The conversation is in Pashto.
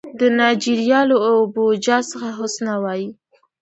د نایجیریا له ابوجا څخه حسنه وايي